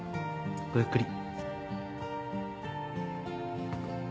ごゆっくり。